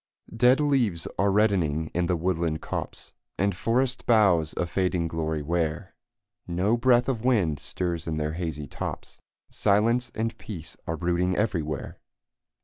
Dead leaves are reddening in the woodland copse, And forest boughs a fading glory wear; No breath of wind stirs in their hazy tops, Silence and peace are brooding everywhere.